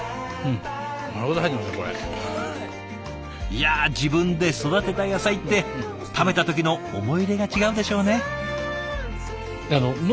いや自分で育てた野菜って食べた時の思い入れが違うんでしょうね。